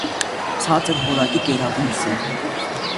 Ցածր որակի կերաբույս է։